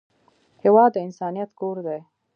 هېواد د انسانیت کور دی.